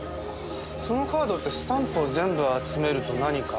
そのカードってスタンプを全部集めると何かあるんですか？